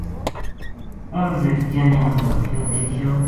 اُنھ بیٹکیاں نے نولکھیو دیکھیو